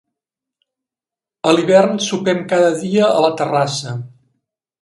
A l'hivern sopem cada dia a la terrassa.